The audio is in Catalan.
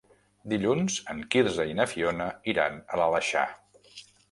Dilluns en Quirze i na Fiona iran a l'Aleixar.